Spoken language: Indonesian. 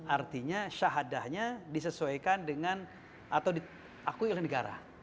artinya syahadahnya disesuaikan dengan atau diakui oleh negara